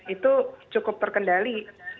itu cukup terkendali